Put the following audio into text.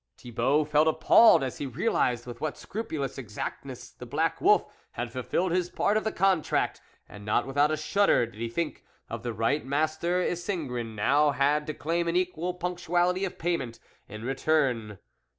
Thibault felt appalled as he realised with what scrupulous exactness the black wolf had fulfilled his part of the contract, and not without a shudder did he think of the right Master Isengrin now had to claim an equal punctuality of payment in return.